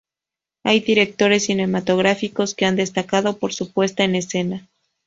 Hay directores cinematográficos que han destacado por su puesta en escena.